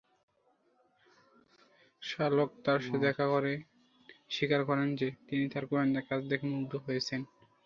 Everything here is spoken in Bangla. শার্লক তার সাথে দেখা করেন স্বীকার করেন যে তিনি তার গোয়েন্দা কাজ দেখে মুগ্ধ হয়েছেন।